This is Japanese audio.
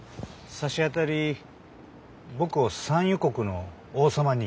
さしあたり僕を産油国の王様に。